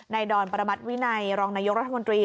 ดอนประมัติวินัยรองนายกรัฐมนตรี